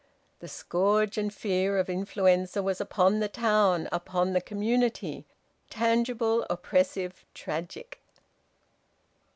The scourge and fear of influenza was upon the town, upon the community, tangible, oppressive, tragic.